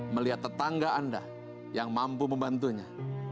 melihat tetangga anda yang mampu membantunya